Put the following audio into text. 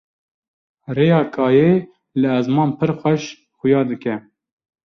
rêya kayê li ezman pir xweş xuya dike